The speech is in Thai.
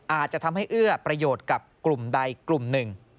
อาจจะทำให้เอื้อประโยชน์กับกลุ่มใดกลุ่มหนึ่ง